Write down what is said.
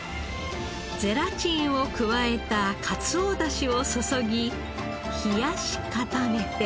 ゼラチンを加えたかつお出汁を注ぎ冷やし固めて。